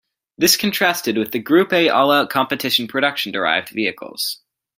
This contrasted with the Group A all-out competition production-derived vehicles.